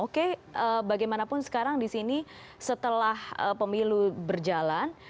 oke bagaimanapun sekarang di sini setelah pemilu berjalan